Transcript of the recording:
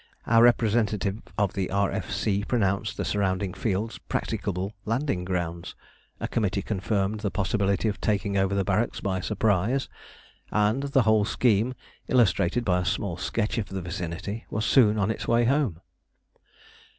Our representative of the R.F.C. pronounced the surrounding fields practicable landing grounds; a committee confirmed the possibility of taking over the barracks by surprise; and the whole scheme, illustrated by a small sketch of the vicinity, was soon on its way home.